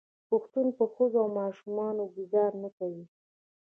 پښتون په ښځو او ماشومانو ګذار نه کوي.